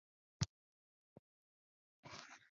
群马县是位于关东地方中部的一个内陆县。